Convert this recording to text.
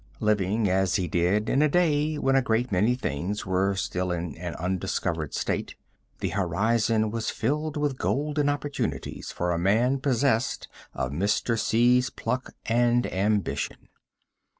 Living as he did in a day when a great many things were still in an undiscovered state, the horizon was filled with golden opportunities for a man possessed of Mr. C.'s pluck and ambition.